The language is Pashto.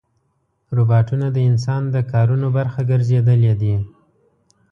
روباټونه د انسان د کارونو برخه ګرځېدلي دي.